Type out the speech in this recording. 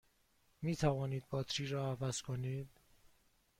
می توانید باتری را عوض کنید؟